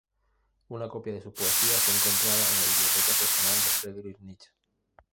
Una copia de sus poesías fue encontrada en la biblioteca personal de Friedrich Nietzsche.